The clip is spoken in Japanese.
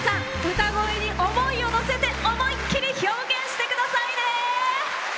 歌声に思いをのせて思いっきり表現してくださいね！